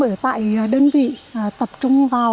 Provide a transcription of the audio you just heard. ở tại đơn vị tập trung vào